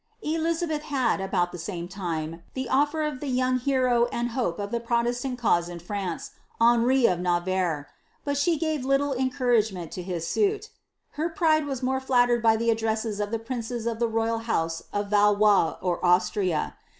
Elizabeth had, about the same time, the ofier of the young hero and hope of the protestant cause in France, Henri of Navarre ; but she gave little encouragement to his suit. Her pride was more flattered by the iddresses of the princes of the royal house of Valois or Austria.